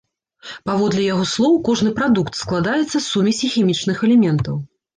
Паводле яго слоў, кожны прадукт складаецца з сумесі хімічных элементаў.